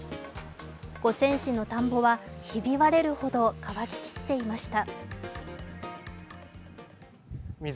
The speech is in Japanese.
五泉市の田んぼはひび割れるほど乾ききっていました。